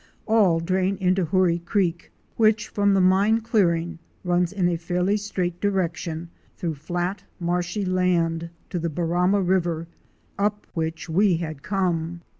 All drain into Hoorie Creek which from the mine clearing runs in a fairly straight direction through flat, marshy land to the Barama River up which we had come.